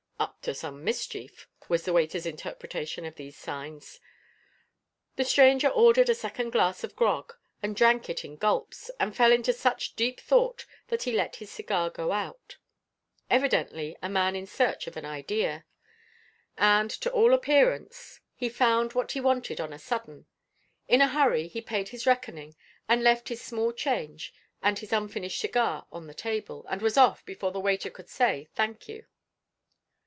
"Up to some mischief," was the waiter's interpretation of these signs. The stranger ordered a second glass of grog, and drank it in gulps, and fell into such deep thought that he let his cigar go out. Evidently, a man in search of an idea. And, to all appearance, he found what he wanted on a sudden. In a hurry he paid his reckoning, and left his small change and his unfinished cigar on the table, and was off before the waiter could say, "Thank you."